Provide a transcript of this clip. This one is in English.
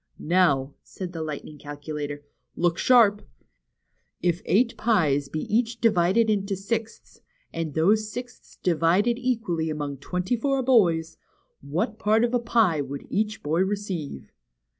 '' Now," said the Lightning Calcula tor, look sharp ! If eight pies be each divided into sixths, and those sixths divided equally among twenty four boys, what part of a pie would each boy receive